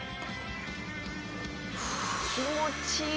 「気持ちいい！」